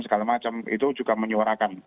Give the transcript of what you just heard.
segala macam itu juga menyuarakan